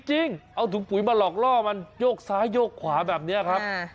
จริงเอาถุงปุ๋ยมาหลอกล่อมันโยกซ้ายโยกขวาแบบนี้ครับ